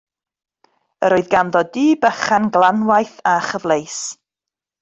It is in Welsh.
Yr oedd ganddo dŷ bychan glanwaith a chyfleus.